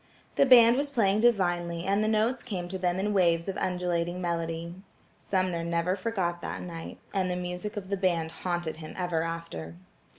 The band was playing divinely and the notes came to them in waves of undulating melody. Sumner never forgot that night, and the music of the band haunted him ever after.